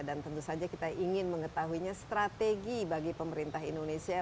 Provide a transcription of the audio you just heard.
dan tentu saja kita ingin mengetahuinya strategi bagi pemerintah indonesia